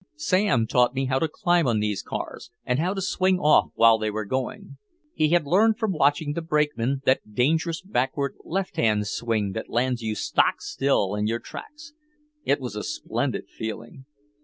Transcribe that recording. Sam taught me how to climb on the cars and how to swing off while they were going. He had learned from watching the brakemen that dangerous backward left hand swing that lands you stock still in your tracks. It is a splendid feeling.